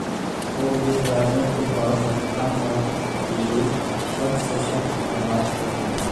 اور یِہ ظالم کو باز رکھنا کا لئے سخت سے سخت اقدامات کرنا